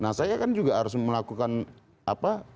nah saya kan juga harus melakukan apa